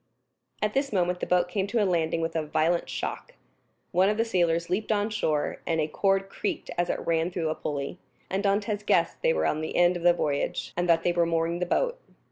At this moment the boat came to a landing with a violent shock. One of the sailors leaped on shore, a cord creaked as it ran through a pulley, and Dantès guessed they were at the end of the voyage, and that they were mooring the boat.